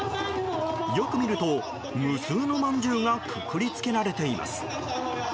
よく見ると無数のまんじゅうがくくりつけられています。